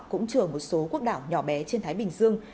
cũng trường một số quốc đảo nhỏ bé trên thái bình dương